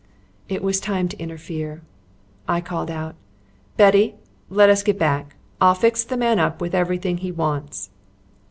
It was time to interfere. I called out: "Betty, let us get back. I'll fix the man up with everything he wants."